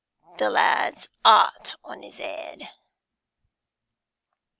The lad's aht on his 'eead.'